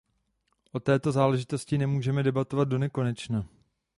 O této záležitosti nemůžeme debatovat donekonečna.